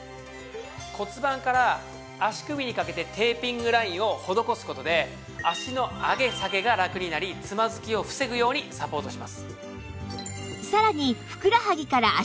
骨盤から足首にかけてテーピングラインを施す事で脚の上げ下げがラクになりつまずきを防ぐようにサポートします。